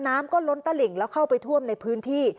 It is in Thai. น้ำก็ล้นตะหลิ่งแล้วเข้าไปท่วมในพื้นที่